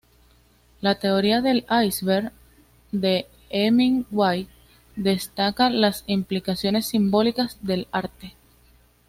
La teoría del iceberg de Hemingway destaca las implicaciones simbólicas del arte.